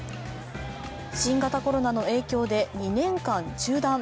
新型コロナの影響で２年間中断。